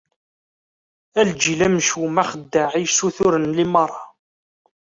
A lǧil amcum, axeddaɛ, i yessuturen limaṛa!